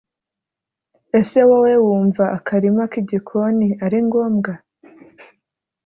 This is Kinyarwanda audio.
ese wowe wumva akarima k’igikoni ari ngombwa?